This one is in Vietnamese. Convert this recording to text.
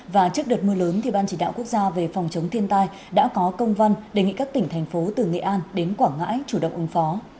và trước đợt mưa lớn thì ban chỉ đạo quốc gia về phòng chống thiên tai đã có công văn đề nghị các tỉnh thành phố từ nghệ an đến quảng ngãi chủ động ứng phó